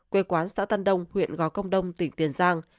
quê quán xã tân đông huyện gò công đông tỉnh tiền giang